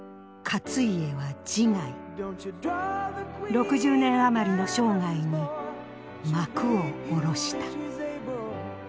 ６０年余りの生涯に幕を下ろした。